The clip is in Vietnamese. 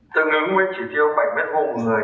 tương ứng với chỉ tiêu bảy m hai một người